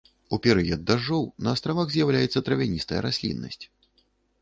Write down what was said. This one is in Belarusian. У перыяд дажджоў на астравах з'яўляецца травяністая расліннасць.